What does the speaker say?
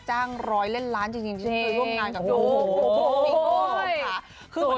จ้างรอยเล่นร้านจริงที่เคยร่วมงานกับพี่โอ๊ย